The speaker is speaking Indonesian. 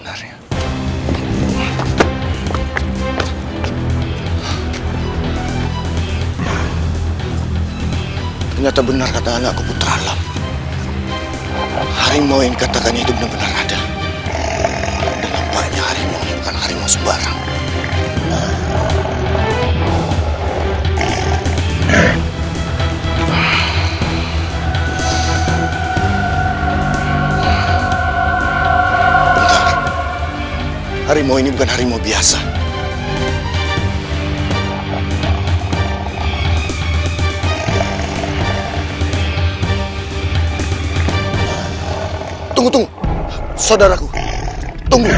tanah berputing bisingan murung